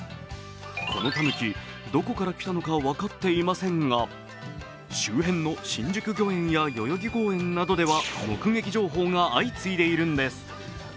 このたぬき、どこから来たのか分かっていませんが周辺の新宿御苑や代々木公園などでは目撃情報が相次いでいるんです。